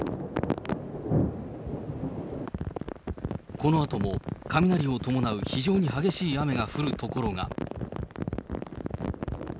このあとも雷を伴う非常に激しい雨が降る所が。